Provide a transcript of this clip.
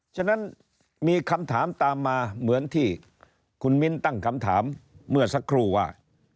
ฉะนั้นมีคำถามตามมาเหมือนที่คุณมิ้นตั้งคำถามเมื่อสักครู่ว่า